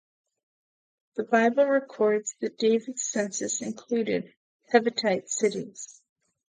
The Bible records that David's census included Hivite cities.